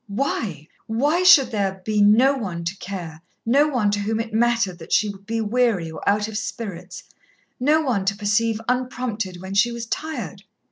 Why why should there be no one to care, no one to whom it mattered that she be weary or out of spirits, no one to perceive, unprompted, when she was tired?